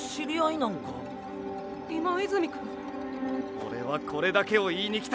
オレはこれだけを言いに来た！